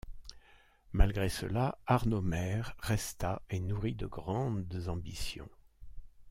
Malgré cela, Arnaud Maire resta et nourrit de grandes ambitions.